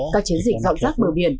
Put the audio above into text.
các chiến dịch dọn rác bờ biển